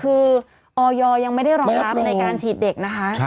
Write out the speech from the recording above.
คือออยยังไม่ได้รองรับในการฉีดเด็กนะคะ